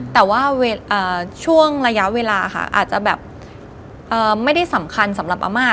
แต่ว่าช่วงระยะเวลาค่ะอาจจะแบบไม่ได้สำคัญสำหรับอาม่า